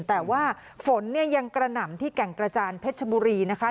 แต่ว่าฝนเนี่ยยังกระหน่ำที่แก่งกระจานเพชรชบุรีนะคะ